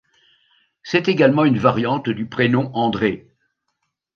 C'est également une variante du prénom André.